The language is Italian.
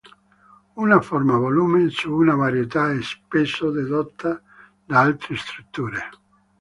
Una forma volume su una varietà è spesso dedotta da altre strutture.